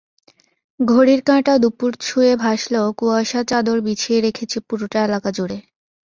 ঘড়ির কাঁটা দুপুর ছুঁয়ে ভাসলেও কুয়াশা চাদর বিছিয়ে রেখেছে পুরোটা এলাকা জুড়ে।